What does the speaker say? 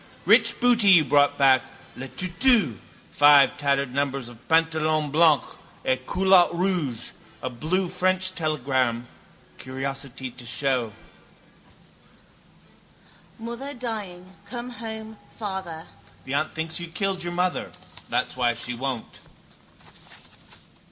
_ Rich booty you brought back; Le Tutu, five tattered numbers of Pantalon Blanc et Culotte Rouge; a blue French telegram, curiosity to show: —Mother dying come home father. The aunt thinks you killed your mother. That's why she won't.